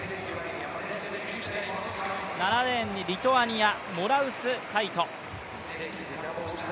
７レーンにリトアニアモラウスカイト。